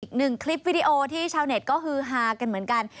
อีกหนึ่งคลิปวิดีโอที่ชาวเน็ตก็ฮือฮากันเหมือนกัน